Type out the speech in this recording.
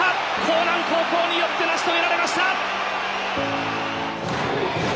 興南高校によって成し遂げられました！